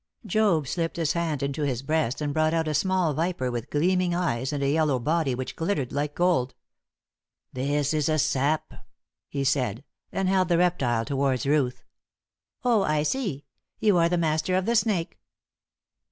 Job slipped his hand into his breast and brought out a small viper with gleaming eyes, and a yellow body which glittered like gold. "This is a sap," he said, and held the reptile towards Ruth. "Oh, I see. You are the master of the snake."